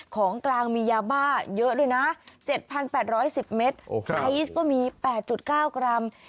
ของกลางมียาบ้าเยอะด้วยนะ๗๘๑๐เมตรไอซ์ก็มี๘๙กรัม